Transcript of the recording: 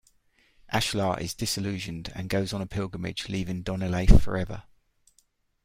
Ashlar is disillusioned, and goes on a pilgrimage, leaving Donnelaith forever.